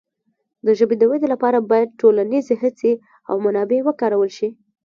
د ژبې د وده لپاره باید ټولنیزې هڅې او منابع وکارول شي.